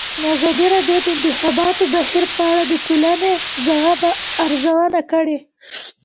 ازادي راډیو د د انتخاباتو بهیر په اړه د ټولنې د ځواب ارزونه کړې.